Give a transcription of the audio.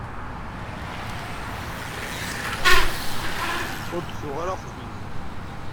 Ur d-tuɣ ara axbiz.